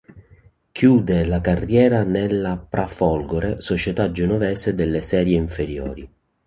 Chiude la carriera nella Pra' Folgore, società genovese delle serie inferiori.